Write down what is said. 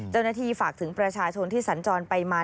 เจ้าหน้าที่ฝากถึงประชาชนที่สัญจรไปมา